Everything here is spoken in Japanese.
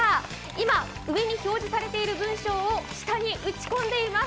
今、上に表示されている文章を下に打ち込んでいます。